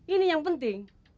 ini yang penting